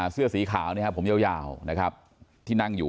เสื้อเสียงขาวผมเย่าที่นั่งอยู่